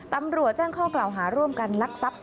ตำรวจแจ้งข้อกล่าวหาร่วมกันลักทรัพย์